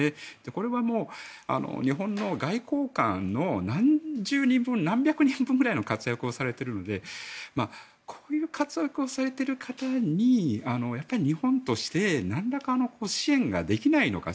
これは日本の外交官の何十人分何百人分の活躍をされているのでこういう活躍をされている方にやっぱり日本としてなんらかの支援ができないのか。